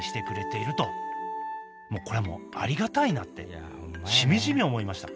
これはもうありがたいなってしみじみ思いました。